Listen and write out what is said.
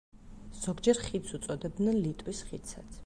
ზოგჯერ ხიდს უწოდებდნენ ლიტვის ხიდსაც.